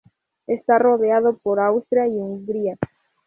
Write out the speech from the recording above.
Está rodeado por Austria y Hungría.